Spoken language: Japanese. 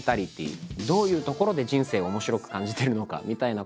どういうところで人生を面白く感じてるのかみたいなこと。